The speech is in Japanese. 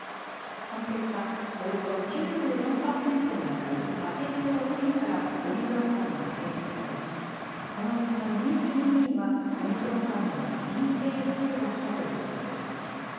その結果、およそ９４％に当たる８６人からオミクロン株が検出され、このうちの２２人はオミクロン株のＢＡ．２だったということです。